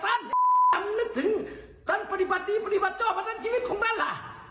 ทำนึกถึงการปฏิบัติดีปฏิบัติเจ้าปฏิบัติชีวิตของนั้นล่ะ